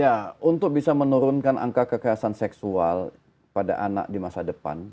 ya untuk bisa menurunkan angka kekerasan seksual pada anak di masa depan